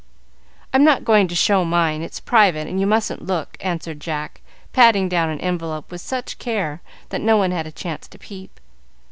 "I'm not going to show mine. It's private and you mustn't look," answered Jack, patting down an envelope with such care that no one had a chance to peep.